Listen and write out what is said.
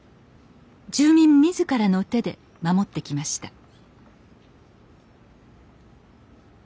住民自らの手で守ってきました